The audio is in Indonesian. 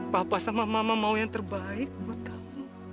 papa sama mama mau yang terbaik buat kamu